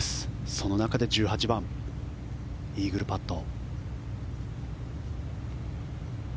その中で１８番イーグルパット。